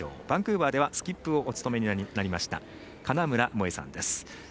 バンクーバーではスキップをお務めになりました金村萌絵さんです。